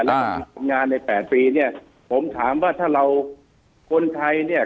และทำงานใน๘ปีเนี่ยผมถามว่าถ้าเราคนไทยเนี่ย